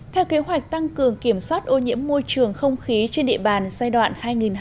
theo kế hoạch tăng cường kiểm soát ô nhiễm môi trường không khí trên địa bàn giai đoạn hai nghìn hai mươi một hai nghìn hai mươi năm